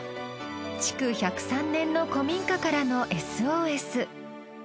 築１０３年の古民家からのＳＯＳ。